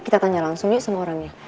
kita tanya langsung yuk sama orangnya